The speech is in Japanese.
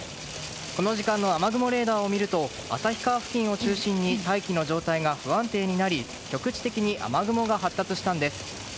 この時間の雨雲レーダーを見ると旭川付近を中心に大気の状態が不安定になり局地的に雨雲が発達したんです。